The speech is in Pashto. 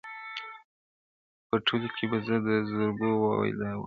• په ټولۍ کي به د زرکو واویلا وه -